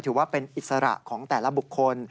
ถือว่าเป็นอิสระของแต่ละบุคคล